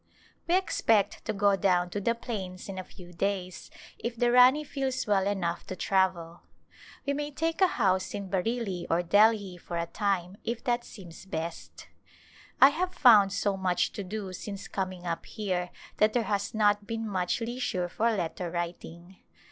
We expect to go down to the plains in a few days if the Rani feels well enough to travel. We may take a house in Bareilly or Delhi for a time if that seems best. I have found so much to do since coming up here that there has not been much leisure for letter writing.